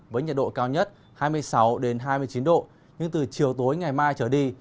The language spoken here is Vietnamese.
với nhiệt độ cao nhất hai mươi sáu hai mươi chín độ nhưng từ chiều tối ngày mai trở đi